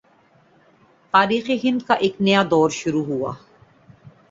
تاریخ ہند کا ایک نیا دور شروع ہوا